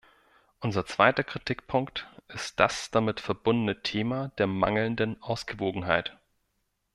Unser zweiter Kritikpunkt ist das damit verbundene Thema der mangelnden Ausgewogenheit.